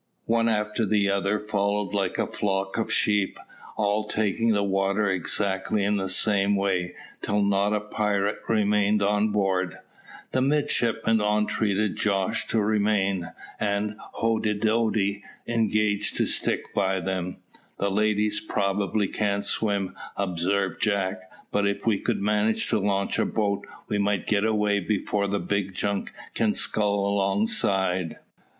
One after the other followed like a flock of sheep, all taking the water exactly in the same way, till not a pirate remained on board. The midshipmen entreated Jos to remain, and Hoddidoddi engaged to stick by them. "The ladies, probably, can't swim," observed Jack; "but if we could manage to launch a boat, we might get away before the big junk can scull alongside."